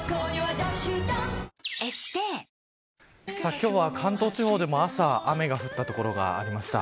今日は関東地方でも朝雨が降った所がありました。